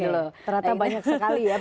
teratam banyak sekali ya